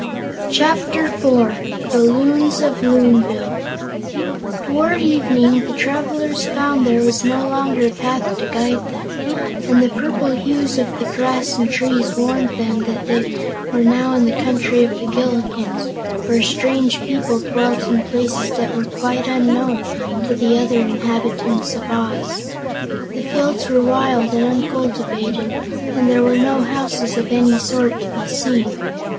Chapter Four The Loons of Loonville Toward evening, the travelers found there was no longer a path to guide them, and the purple hues of the grass and trees warned them that they were now in the Country of the Gillikins, where strange peoples dwelt in places that were quite unknown to the other inhabitants of Oz. The fields were wild and uncultivated and there were no houses of any sort to be seen.